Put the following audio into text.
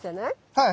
はい。